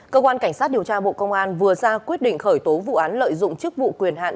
cơ quan cảnh sát điều tra bộ công an vừa ra quyết định khởi tố vụ án lợi dụng chức vụ quyền hạn